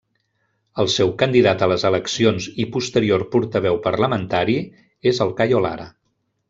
El seu candidat a les eleccions i posterior portaveu parlamentari és el Cayo Lara.